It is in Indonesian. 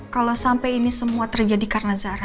kalau sampai ini semua terjadi karena zara